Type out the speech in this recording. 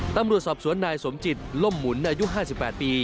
ตำรวจสอบสวนนายสมจิตล่มหมุนอายุ๕๘ปี